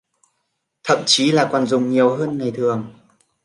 Thậm chí là còn dùng nhiều hơn ngày thường